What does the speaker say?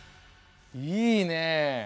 いいね！